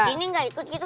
ini gak ikut gitu